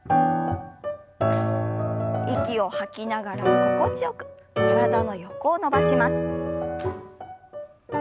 息を吐きながら心地よく体の横を伸ばします。